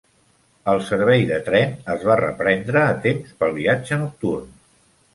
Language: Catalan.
El servei de tren es va reprendre a temps pel viatge nocturn.